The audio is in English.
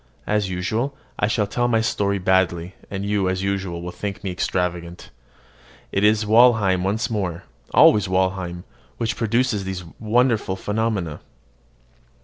As usual, I shall tell my story badly; and you, as usual, will think me extravagant. It is Walheim once more always Walheim which produces these wonderful phenomena.